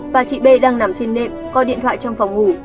và chị b đang nằm trên nệm coi điện thoại trong phòng ngủ